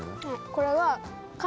これは。